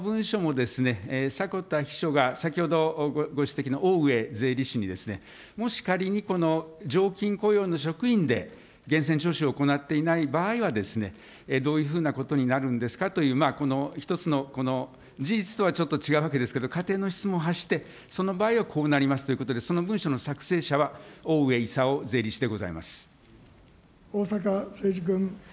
その文書もですね、迫田秘書が先ほどご指摘の税理士に、もし仮に、この常勤雇用の職員で、源泉徴収を行っていない場合はですね、どういうふうなことになるんですかという、この１つの、この事実とはちょっと違うわけですけれども、仮定の質問を発して、その場合はこうなりますということで、その文書の作成者は、逢坂誠二君。